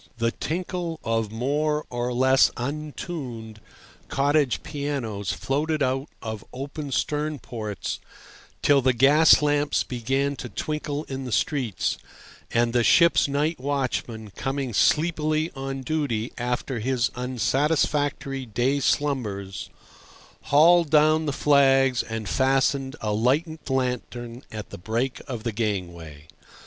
The tinkle of more or less untuned cottage pianos floated out of open stern ports till the gas lamps began to twinkle in the streets, and the ship's night watchman, coming sleepily on duty after his unsatisfactory day slumbers, hauled down the flags and fastened a lighted lantern at the break of the gangway.